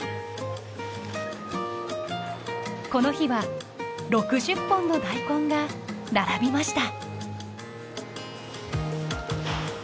この日は６０本の大根が並びました。